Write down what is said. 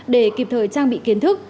để kịp thời trang bị kiến thức